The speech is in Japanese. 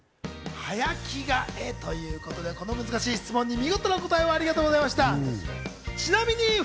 早着替えということで、この難しい質問に見事なお答えありがとうございました。